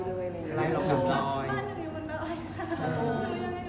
น้ำจิ้งจิ้งหากด้วยเลย